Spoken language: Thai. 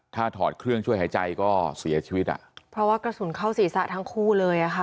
ถ้าถอดเครื่องช่วยหายใจก็เสียชีวิตอ่ะเพราะว่ากระสุนเข้าศีรษะทั้งคู่เลยอ่ะค่ะ